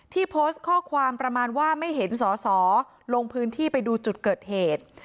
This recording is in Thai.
โพสต์ข้อความประมาณว่าไม่เห็นสอสอลงพื้นที่ไปดูจุดเกิดเหตุ